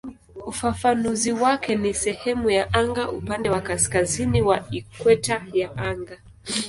Ufafanuzi wake ni "sehemu ya anga upande wa kaskazini wa ikweta ya anga".